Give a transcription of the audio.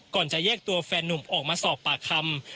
จะแยกตัวแฟนนุ่มออกมาสอบปากคำ